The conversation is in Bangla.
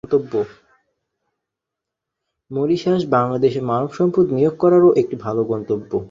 মরিশাস বাংলাদেশের মানবসম্পদ নিয়োগ করারও একটি ভালো গন্তব্য।